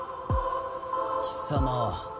貴様は？